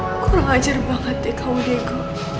aku kurang ajar banget deh kamu dego